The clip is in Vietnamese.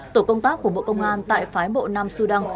tổ công tác của bộ công an tại phái bộ nam sudan